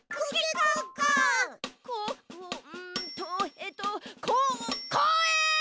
こうんとえとここうえん！